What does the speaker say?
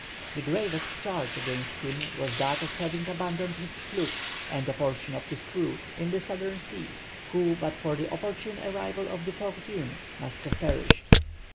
The gravest charge against him was that of having abandoned his sloop and a portion of his crew, in the southern seas, who, but for the opportune arrival of the Fortune, must have perished.